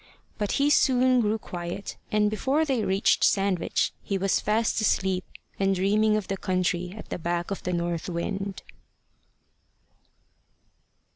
But he soon grew quiet, and before they reached Sandwich he was fast asleep and dreaming of the country at the back of the north wind.